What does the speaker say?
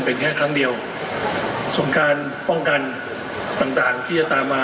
เป็นแค่ครั้งเดียวส่วนการป้องกันต่างต่างที่จะตามมา